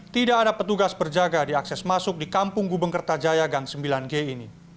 tidak ada petugas berjaga di akses masuk di kampung gubeng kertajaya gang sembilan g ini